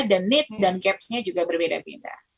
dan needs dan gaps nya juga berbeda beda